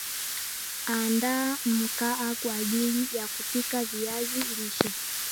Andaa mkaa kwa ajili ya kupika viazi lishe